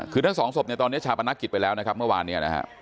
คือทั้งสองศพเนี่ยตอนนี้ชาปนักกิจไปแล้วนะครับเมื่อวานเนี่ยนะฮะ